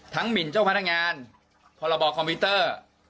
หมินเจ้าพนักงานพรบคอมพิวเตอร์